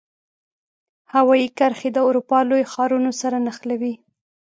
هوایي کرښې د اروپا لوی ښارونو سره نښلوي.